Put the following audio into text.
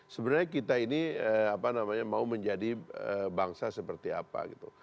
sebenarnya kita ini apa namanya mau menjadi bangsa seperti apa gitu